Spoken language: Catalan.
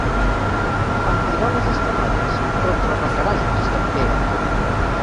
Em tirà les estenalles; contrarecarall, si em pega!